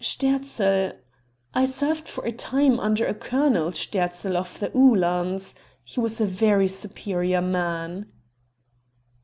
Sterzl I served for a time under a Colonel Sterzl of the Uhlans. He was a very superior man."